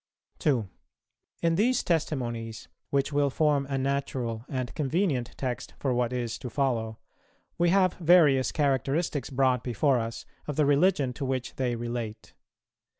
In these testimonies, which will form a natural and convenient text for what is to follow, we have various characteristics brought before us of the religion to which they relate.